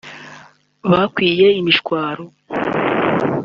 bakwiye imishwaro